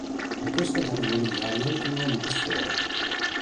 In questa categoria rientrano le pistole.